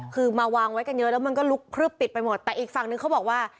คือมาวางไว้กันเยอะแล้วมันก็ลุกคลืบปิดไปหมดแต่อีกฝั่งนึงเขาบอกว่า